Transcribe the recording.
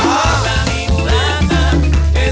อ้าวโอเค